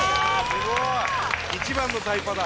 すごい！一番のタイパだ。